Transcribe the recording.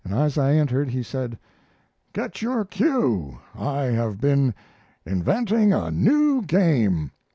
As I entered he said: "Get your cue. I have been inventing a new game."